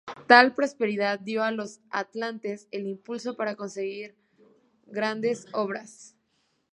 Tal prosperidad dio a los atlantes el impulso para construir grandes obras.